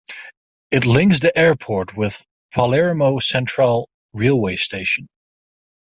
It links the airport with Palermo Centrale railway station.